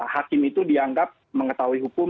hakim itu dianggap mengetahui hukum